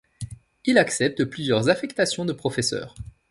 Il accepte plusieurs affectations de professeur.